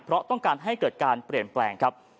เพราะต้องการให้เกิดการเปลี่ยนแปลงครับ